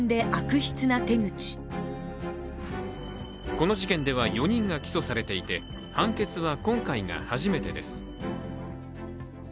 この事件では４人が起訴されていて判決は今回が初めてです。